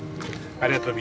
ありがとう。